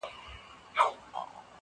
ماسومان حيران ولاړ وي چوپ تل,